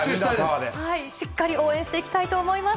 しっかり応援していきたいと思います。